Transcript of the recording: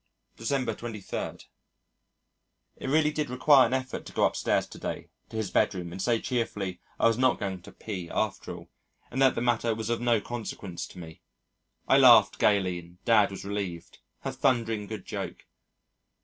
December 23. It really did require an effort to go upstairs to day to his bedroom and say cheerfully I was not going to P. after all, and that the matter was of no consequence to me. I laughed gaily and Dad was relieved. A thundering good joke.